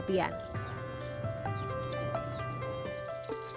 dan dihidupkan dengan perapian